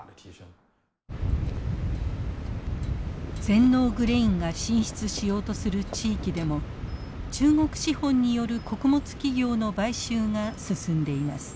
全農グレインが進出しようとする地域でも中国資本による穀物企業の買収が進んでいます。